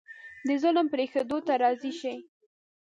د ظلم پرېښودو ته راضي شي.